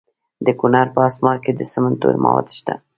د کونړ په اسمار کې د سمنټو مواد شته.